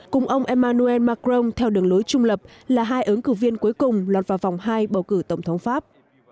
cùng ông emmanuel macron theo đường lối trung lập là hai ứng cử viên cuối cùng lọt vào vòng hai bầu cử tổng thống pháp